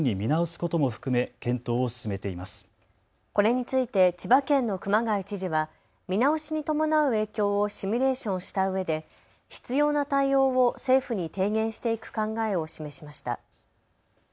これについて千葉県の熊谷知事は見直しに伴う影響をシミュレーションしたうえで必要な対応を政府に提言していく考えを示しました。